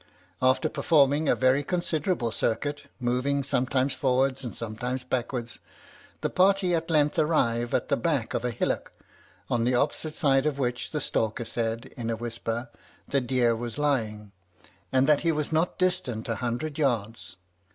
After performing a very considerable circuit, moving sometimes forwards and sometimes backwards, the party at length arrive at the back of a hillock, on the opposite side of which the stalker said, in a whisper, the deer was lying, and that he was not distant a hundred yards.